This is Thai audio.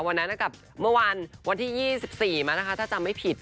วันนั้นกับเมื่อวันวันที่๒๔มานะคะถ้าจำไม่ผิด